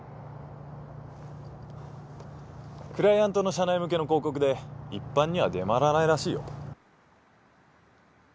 クライアントの社内向けの広告で一般には出回らないらしいよ。